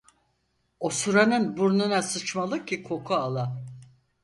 Osuranın burnuna sıçmalı ki koku ala.